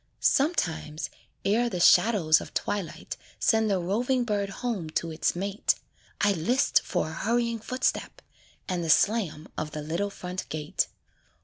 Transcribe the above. Sometimes, ere the shadows of twilight Send the roving bird home to its mate, I list for a hurrying footstep, And the slam of the little front gate.